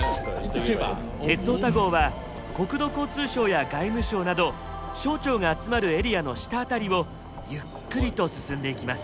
「鉄オタ号」は国土交通省や外務省など省庁が集まるエリアの下辺りをゆっくりと進んでいきます。